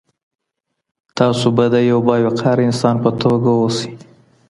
تاسو به د یو باوقاره انسان په توګه اوسئ.